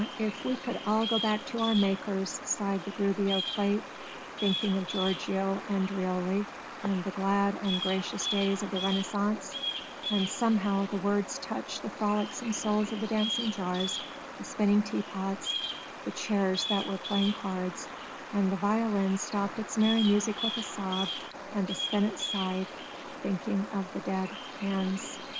if we could all go back to our makers!" sighed the Gubbio plate, thinking of Giorgio Andreoli and the glad and gracious days of the Renaissance: and somehow the words touched the frolicsome souls of the dancing jars, the spinning teapots, the chairs that were playing cards; and the violin stopped its merry music with a sob, and the spinet sighed thinking of dead hands.